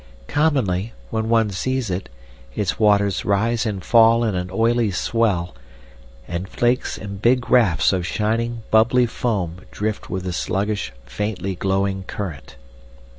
Commonly, when one sees it, its waters rise and fall in an oily swell, and flakes and big rafts of shining, bubbly foam drift with the sluggish, faintly glowing current.